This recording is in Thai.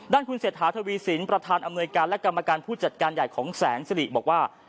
คุณเศรษฐาทวีสินประธานอำนวยการและกรรมการผู้จัดการใหญ่ของแสนสิริบอกว่า